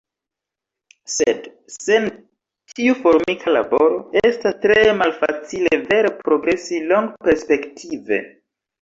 Sed sen tiu formika laboro, estas tre malfacile vere progresi longperspektive.